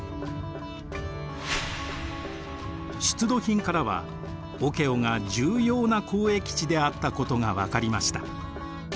出土品からはオケオが重要な交易地であったことが分かりました。